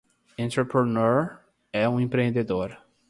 Entrepreneur é um empreendedor.